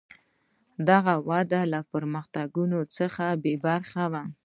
دغه وده له پرمختګونو څخه بې برخې وه.